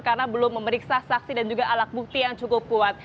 karena belum memeriksa saksi dan juga alat bukti yang cukup kuat